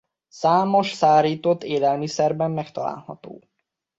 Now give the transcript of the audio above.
Számos szárított élelmiszerben megtalálható.